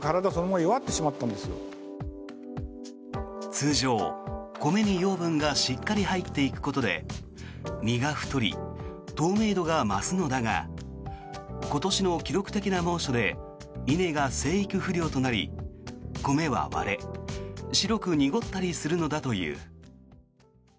通常、米に養分がしっかり入っていくことで実が太り、透明度が増すのだが今年の記録的な猛暑で稲が生育不良となり米は割れ白く濁ったりするのだという。